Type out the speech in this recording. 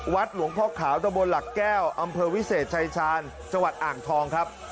หลวงพ่อขาวตะบนหลักแก้วอำเภอวิเศษชายชาญจังหวัดอ่างทองครับ